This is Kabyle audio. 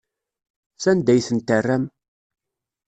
Sanda ay tent-terram?